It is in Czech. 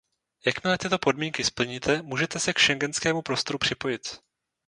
Jakmile tyto podmínky splníte, můžete se k schengenskému prostoru připojit.